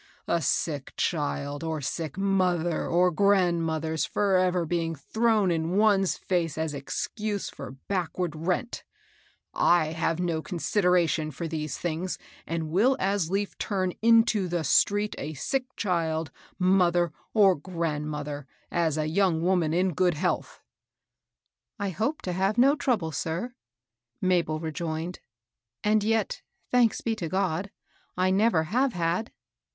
A sick child, or sick mother or grandmother's forever being thrown in one's face as excuse for backward rent, /have no consideration for these things, and will as lief 140 MABEL ROSS. turn into the street a sick child, moth^, or grand mother, as a young woman in good health." " I hope to have no trouble, sir," Mabel re joined. " As yet, — thanks be to God !— I never have had."